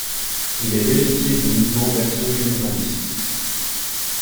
Il est l'héritier du Mouvement d'Action Généraliste.